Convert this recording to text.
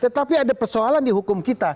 tetapi ada persoalan di hukum kita